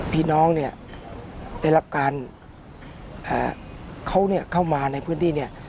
พี่น้องเนี่ยได้รับการเขาเนี่ยเข้ามาในพื้นที่เนี่ย